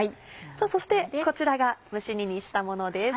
そしてこちらが蒸し煮にしたものです。